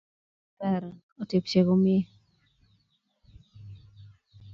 Ache ko ngolyot nekararan otkeboisie komie